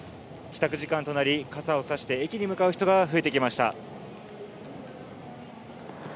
帰宅時間となり、傘を差して駅に向かう人が増えてきました。